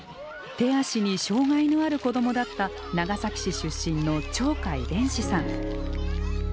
手足に障害のある子供だった長崎市出身の鳥海連志さん。